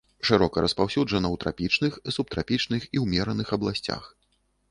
Шырока распаўсюджана ў трапічных, субтрапічных і ўмераных абласцях.